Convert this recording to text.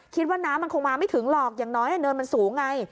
คิดว่าน้ำมันคงมาไม่ถึงหรอกอย่างน้อยเนินมันสูงไง